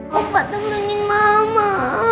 bapak temenin mama